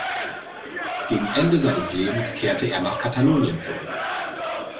Gegen Ende seines Lebens kehrte er nach Katalonien zurück.